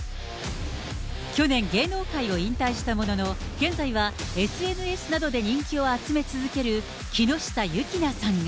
去年、芸能界を引退したものの、現在はＳＮＳなどで人気を集め続ける木下優樹菜さんが。